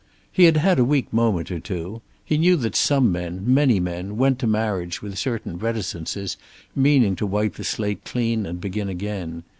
He had had a weak moment or two. He knew that some men, many men, went to marriage with certain reticences, meaning to wipe the slate clean and begin again.